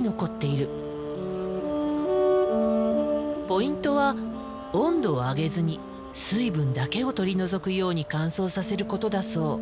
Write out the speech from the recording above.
ポイントは温度を上げずに水分だけを取り除くように乾燥させることだそう。